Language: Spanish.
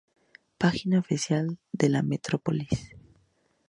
Página oficial de la Metrópolis